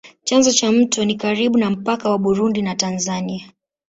Chanzo cha mto ni karibu na mpaka wa Burundi na Tanzania.